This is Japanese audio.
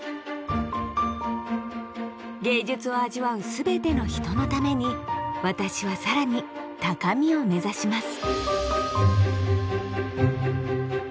芸術を味わう全ての人のために私は更に高みを目指します。